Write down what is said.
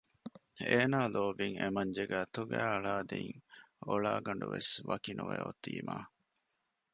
އޭނާ ލޯބިން އެމަންޖެގެ އަތުގައި އަޅައިދިން އޮޅާގަނޑުވެސް ވަކިނުވެ އޮތީމަ